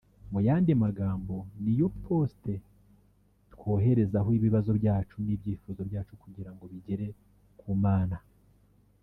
mu yandi magambo ni yo post twoherezaho ibibazo byacu n'ibyifuzo byacu kugira ngo bigere ku mana